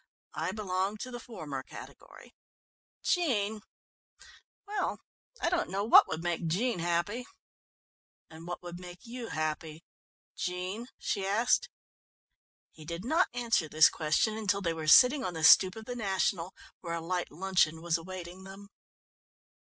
I belong to the former category. Jean well, I don't know what would make Jean happy." "And what would make you happy Jean?" she asked. He did not answer this question until they were sitting on the stoep of the National, where a light luncheon was awaiting them.